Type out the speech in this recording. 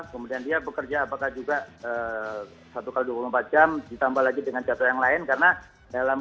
kemudian dia bekerja apakah juga satu x dua puluh empat jam ditambah lagi dengan jatuh yang lain karena dalam